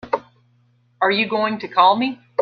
Are you going to call me?